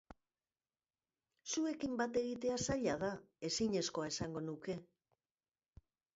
Zuekin bat egitea zaila da, ezinezkoa esango nuke.